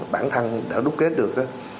bản thân đã đúc kết được